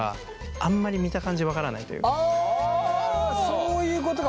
そういうことか。